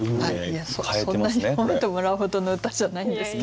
いやそんなに褒めてもらうほどの歌じゃないんですけど。